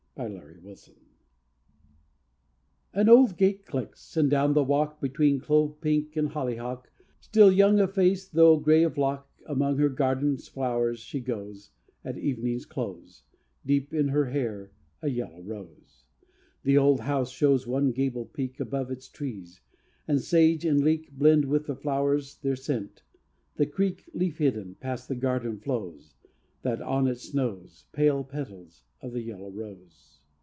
A YELLOW ROSE The old gate clicks, and down the walk, Between clove pink and hollyhock, Still young of face though gray of lock, Among her garden's flowers she goes, At evening's close, Deep in her hair a yellow rose. The old house shows one gable peak Above its trees; and sage and leek Blend with the flowers' their scent: the creek, Leaf hidden, past the garden flows, That on it snows Pale petals of the yellow rose.